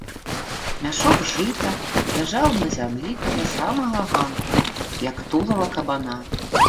Мяшок жыта ляжаў на зямлі каля самага ганку, як тулава кабана.